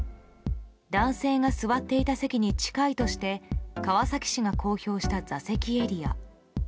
男性が座っていた席に近いとして川崎市が公表した座席エリア。